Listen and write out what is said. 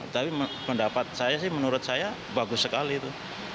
tapi pendapat saya sih menurut saya bagus sekali itu